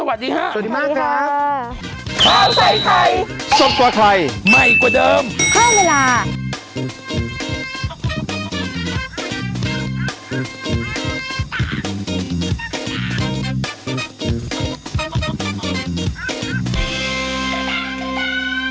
โปรดติดตามตอนต่อไป